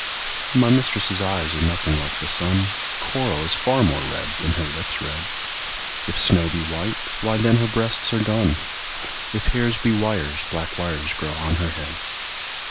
MY mistress' eyes are nothing like the sun; Coral is far more red than her lips' red; If snow be white, why then her breasts are dun; If hairs be wires, black wires grow on her head.